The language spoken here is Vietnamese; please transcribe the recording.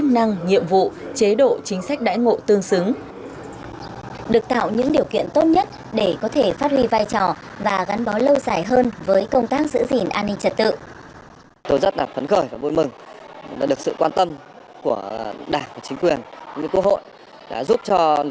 được tạo những điều kiện tốt nhất để có thể phát huy vai trò và gắn bó lâu dài hơn với công tác giữ gìn an ninh trật tự